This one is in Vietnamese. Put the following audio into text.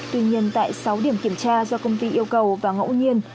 tuy nhiên tại sáu điểm kiểm tra do công ty yêu cầu và ngẫu nhiên